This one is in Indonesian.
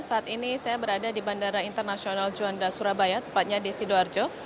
saat ini saya berada di bandara internasional juanda surabaya tepatnya di sidoarjo